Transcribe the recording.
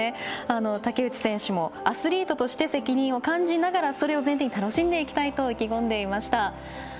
竹内選手もアスリートとして責任を感じながらそれを前提に楽しんでいきたいと意気込んでいました。